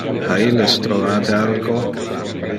Ha illes trovate alco?